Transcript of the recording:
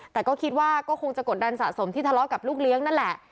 แต่ก็คิดว่าก็คงจะกดดันสะสมที่ทะเลาะกับลูกเลี้ยงนั่นแหละ